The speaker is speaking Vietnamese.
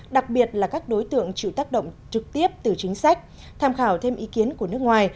đặc biệt là các đối tượng chịu tác động trực tiếp từ chính sách tham khảo thêm ý kiến của nước ngoài